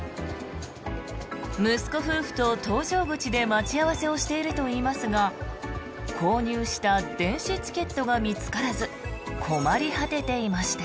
息子夫婦と搭乗口で待ち合わせをしているといいますが購入した電子チケットが見つからず困り果てていました。